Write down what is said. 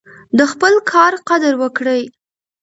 د خپل کار قدر وکړئ.